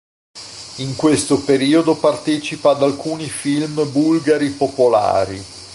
In questo periodo partecipa ad alcuni film bulgari popolari.